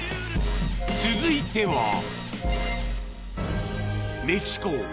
［続いては］